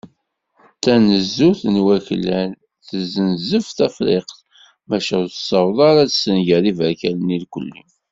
Tanezzut n waklan tessenzef Tafriqt, maca ur tessaweḍ ara ad tessenger Iberkanen irkelli.